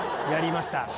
やりました。